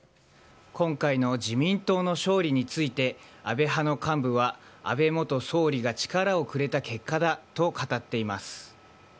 今回の自民党の勝利について、安倍派の幹部は、安倍元総理が力をくれた結果だと語っています。